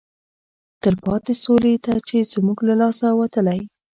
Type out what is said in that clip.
تلپاتې سولې ته چې زموږ له لاسه وتلی